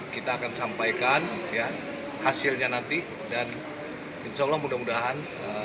kita akan sampaikan hasilnya nanti dan insya allah mudah mudahan